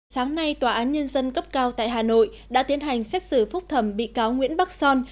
sáng nay tòa án nhân dân cấp cao tại hà nội đã tiến hành xét xử phúc thẩm bị cáo nguyễn bắc son